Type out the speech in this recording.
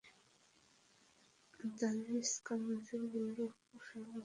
Tajikistan ম্যাচের গোলরক্ষক সোহেল একাদশে থাকলে জীবনের সেরা ম্যাচটা খেলার প্রতিশ্রুতি দিচ্ছেন।